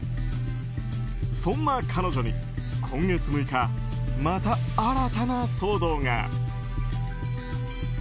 そんな彼女に今月６日また新たな騒動が。